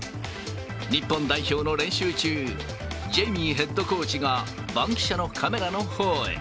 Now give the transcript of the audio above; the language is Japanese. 日本代表の練習中、ジェイミーヘッドコーチがバンキシャのカメラのほうへ。